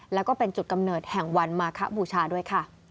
แล้วก็เป็นจุดกำเนิดแห่งวันมาคบูชาด้วยค่ะ